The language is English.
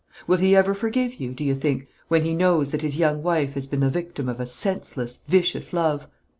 Will he ever forgive you, do you think, when he knows that his young wife has been the victim of a senseless, vicious love?